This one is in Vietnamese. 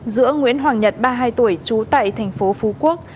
giữa nguyễn hoàng nhật ba mươi hai tuổi trú tại tp phú quốc